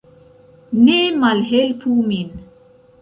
Ne malhelpu min!